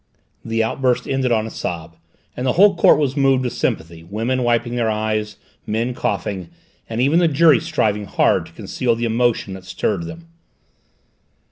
The outburst ended on a sob, and the whole court was moved with sympathy, women wiping their eyes, men coughing, and even the jury striving hard to conceal the emotion that stirred them.